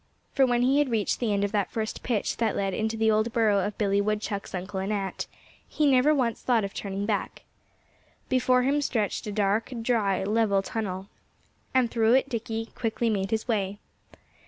For when he had reached the end of that first pitch that led into the old burrow of Billy Woodchuck's uncle and aunt he never once thought of turning back. Before him stretched a dark, dry, level tunnel. And through it Dickie quickly made his way.